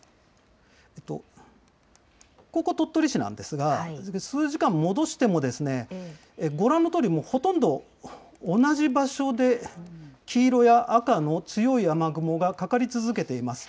ここ、鳥取市なんですが、数時間戻しても、ご覧のとおり、もうほとんど同じ場所で、黄色や赤の強い雨雲がかかり続けています。